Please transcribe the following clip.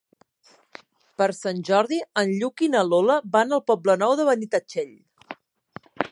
Per Sant Jordi en Lluc i na Lola van al Poble Nou de Benitatxell.